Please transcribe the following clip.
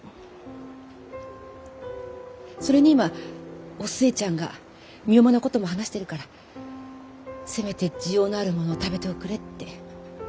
それに今お寿恵ちゃんが身重なことも話してるからせめて滋養のあるもの食べておくれって。